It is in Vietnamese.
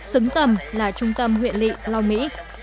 xứng tầm là trung tâm huyện lị long mỹ